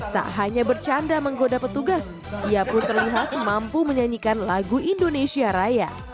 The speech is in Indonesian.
tak hanya bercanda menggoda petugas ia pun terlihat mampu menyanyikan lagu indonesia raya